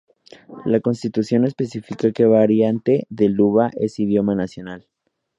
La constitución no especifica que variante de luba es idioma nacional.